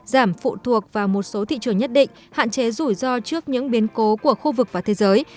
giảm phụ thuộc vào một số thị trường nhất định hạn chế rủi ro trước những biến cố của khu vực và thế giới